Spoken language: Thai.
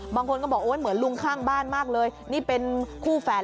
บางคนก็บอกโอ๊ยเหมือนลุงข้างบ้านมากเลยนี่เป็นคู่แฝด